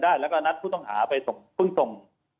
นะแล้วก็นัดผู้ต้องหาไปก็คงส่ง